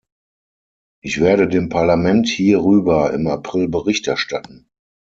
Ich werde dem Parlament hierüber im April Bericht erstatten.